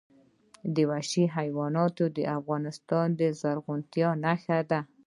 وحشي حیوانات د افغانستان د زرغونتیا نښه ده.